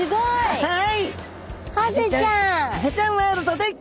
はい。